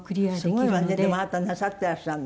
すごいわねでもあなたなさっていらっしゃるの。